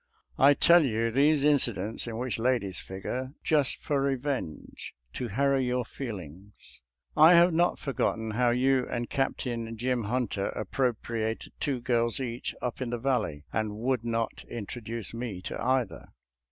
I tell you these incidents in which ladies figure, just for revenge — to harrow your feelings. I have not forgot 292 SOLDIER'S LETTERS TO CHARMING NELLIE ten how you and Captain Jim Hunter appro priated two girls each, up in the Valley, and would not introduce me to either.